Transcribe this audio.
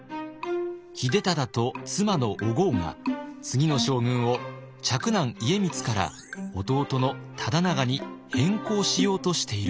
秀忠と妻のお江が次の将軍を嫡男家光から弟の忠長に変更しようとしていると。